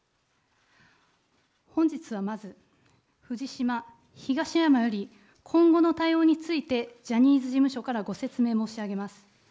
本日はまず、藤島、東山より、今後の対応についてジャニーズ事務所からご説明申し上げます。